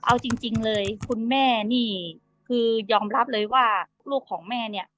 เอาจริงเลยคุณแม่นี่คือยอมรับเลยว่าลูกของแม่เนี่ย